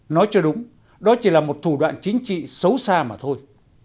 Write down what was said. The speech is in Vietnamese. nói cho đúng đó chỉ là một thủ đoạn chính trị xấu xa mà thôi